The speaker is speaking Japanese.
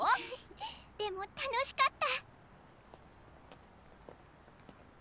でも楽しかった！